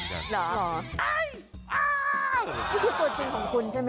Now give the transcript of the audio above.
นี่คือตัวจริงของคุณใช่ไหม